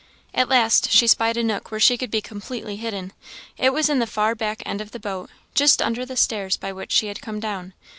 At last she spied a nook where she could be completely hidden. It was in the far back end of the boat, just under the stairs by which she had come down.